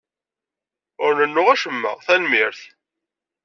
Ur rennuɣ acemma, tanemmirt.